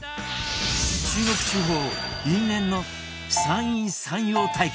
中国地方因縁の山陰山陽対決